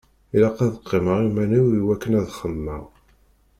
Ilaq ad qqimeɣ iman-iw i wakken ad xemmeɣ.